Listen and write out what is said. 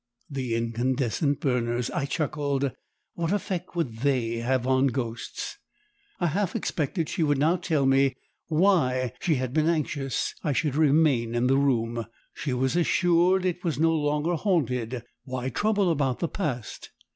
The incandescent burners! I chuckled, what effect would THEY have on GHOSTS. I half expected she would now tell me why she had been anxious I should remain in the room: she was assured it was no longer haunted, why trouble about the past?